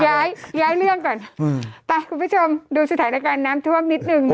ยายเรื่องก่อนไปคุณผู้ชมดูสุดท้ายแล้วกันน้ำท่วมนิดหนึ่งเนอะ